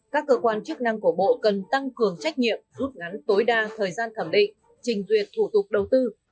các cơ quan chức năng của bộ cần tăng cường trách nhiệm rút ngắn tối đa thời gian thẩm định trình duyệt thủ tục đầu tư